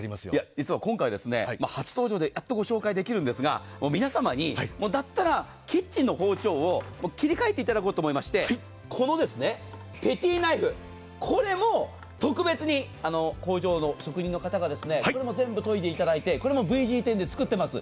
実は今回、初登場でやっとご紹介できるんですが皆様にだったら、キッチンの包丁を切り替えていただこうと思いまして、このペティナイフこれも特別に工場の職人の方がこれも全部研いでいただいてこれもＶＧ１０で作っています。